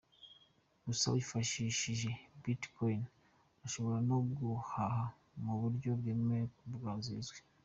Gusa wifashishije Bit coin ushobora no guhaha mu buryo bwemewe ku mbuga zizwi.